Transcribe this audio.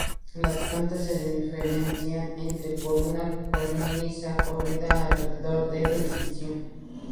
Las plantas se diferencian entre sí por una cornisa corrida alrededor del edificio.